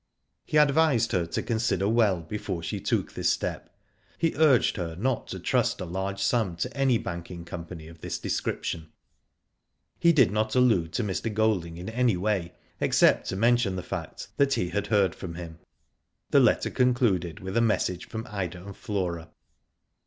He advised her to consider well before she took this step. He urged her not to trust a large sum to any banking company of this description. He did not allude to Mr. Golding in any way, except to mention the fact that he had heard from him. The letter concluded with a message from Ida and Flora.